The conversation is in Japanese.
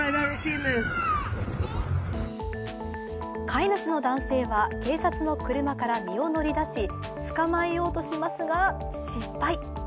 飼い主の男性は警察の車から身を乗り出し捕まえようとしますが、失敗。